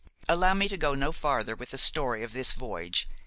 Allow me to go no farther with the story of this voyage.